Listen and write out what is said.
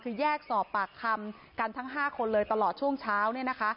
คือแยกสอบปากคำกันทั้ง๕คนเลยตลอดช่วงเช้าเนี่ยนะคะ